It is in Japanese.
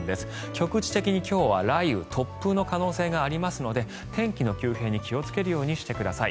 局地的に今日は雷雨突風の可能性がありますので天気の急変に気をつけるようにしてください。